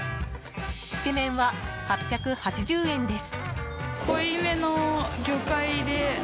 つけめんは８８０円です。